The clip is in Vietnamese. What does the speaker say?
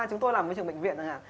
chúng tôi làm môi trường bệnh viện